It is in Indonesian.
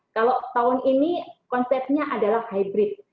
kalau tahun ini konsepnya adalah hybrid